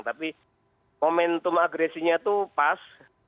tapi momentum agresinya itu pas